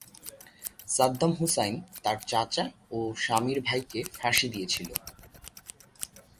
Saddam Hussein তার চাচা ও তার স্বামীর ভাইকে ফাঁসি দিয়েছিল।